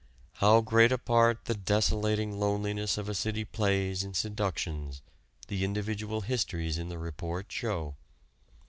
How great a part the desolating loneliness of a city plays in seductions the individual histories in the report show.